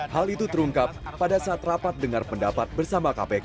hal itu terungkap pada saat rapat dengar pendapat bersama kpk